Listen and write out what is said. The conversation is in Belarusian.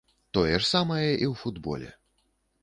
Тое ж самае і ў футболе.